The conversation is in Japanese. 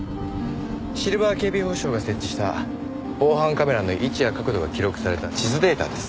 シルバー警備保障が設置した防犯カメラの位置や角度が記録された地図データです。